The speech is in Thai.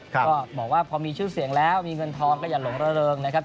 ก็บอกว่าพอมีชื่อเสียงแล้วมีเงินทองก็อย่าหลงระเริงนะครับ